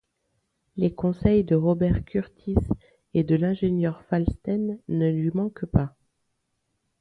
Les conseils de Robert Kurtis et de l’ingénieur Falsten ne lui manquent pas.